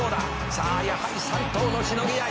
「さあやはり３頭のしのぎ合い」